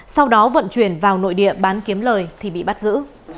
sau đó vận chuyển vào nội địa bán kiếm lời thì bị bắt giữ